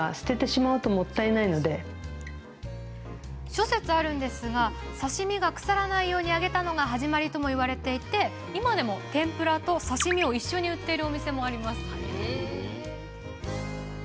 諸説ありますが刺身が腐らないように揚げたのが始まりともいわれていて今でも天ぷらと刺身を一緒に売っているお店もあります。